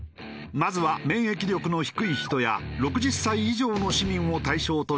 まずは免疫力の低い人や６０歳以上の市民を対象として接種。